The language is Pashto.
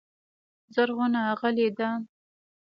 زرغونه غلې ده .